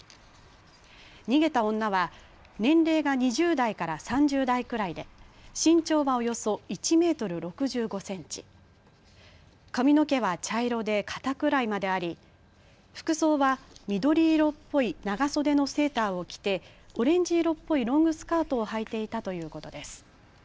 逃げた女は年齢が２０代から３０代くらいで身長はおよそ１メートル６５センチ、髪の毛は茶色で肩くらいまであり、服装は緑色っぽい長袖のセーターを着てオレンジ色っぽいロングスカートをはいていたということです。